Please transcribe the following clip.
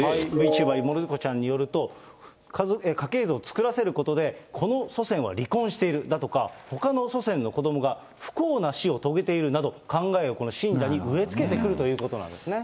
Ｖチューバー、もるすこちゃんによると、家系図を作らせることで、この祖先は離婚しているだとか、ほかの祖先の子どもが不幸な死を遂げているだとか、考えを信者に植え付けてくるということなんですね。